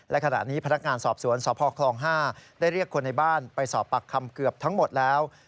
และขณะนี้พนักงานสอบสวนสพคลอง๕ได้เรียกคนในบ้านไปสอบปากคำเกือบทั้งหมดแล้ว